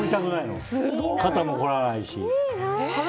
肩もこらないし。